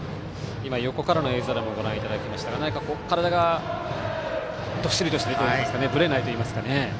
横からの映像でもご覧いただきましたが、体がどっしりとしているといいますかぶれないといいますか。